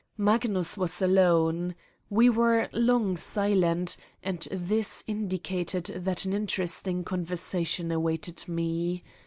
Magnus was alone. We were long silent and this indicated that an interesting conversation awaited me.